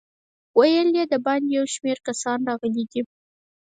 ویل یې د باندې یو شمېر کسان راغلي دي.